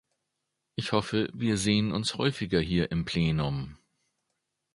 Ich hoffe, wir sehen uns häufiger hier im Plenum.